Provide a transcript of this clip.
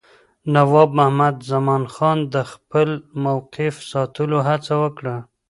نواب محمد زمانخان د خپل موقف ساتلو هڅه وکړه.